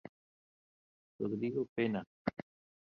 Rodrigo Pena.